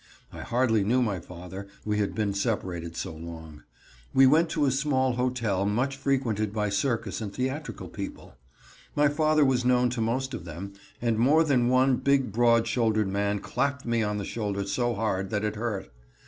I hardly knew my father, we had been separated so long. We went to a small hotel much frequented by circus and theatrical people. My father was known to most of them, and more than one big broad shouldered man clapped me on the shoulder so hard that it hurt.